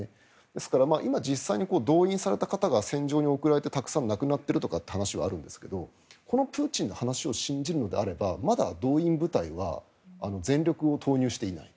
ですから今実際に動員された方が戦場に送られてたくさん亡くなっているという話はあるんですけどこのプーチンの話を信じるのであればまだ動員部隊は全力を投入していない。